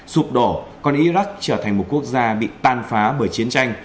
sụp đổ còn iraq trở thành một quốc gia bị tan phá bởi chiến tranh